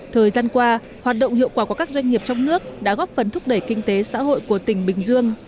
thời gian qua hoạt động hiệu quả của các doanh nghiệp trong nước đã góp phần thúc đẩy kinh tế xã hội của tỉnh bình dương